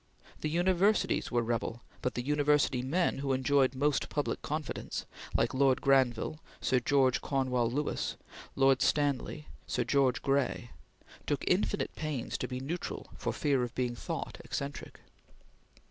The universities were rebel, but the university men who enjoyed most public confidence like Lord Granville, Sir George Cornewall Lewis, Lord Stanley, Sir George Grey took infinite pains to be neutral for fear of being thought eccentric.